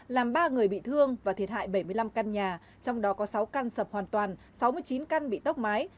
làm ba người bị thương và thiệt hại bảy mươi năm căn nhà trong đó có sáu căn sập hoàn toàn sáu mươi chín căn bị tốc mái